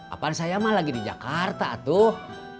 apalagi saya mah lagi di jakarta tuh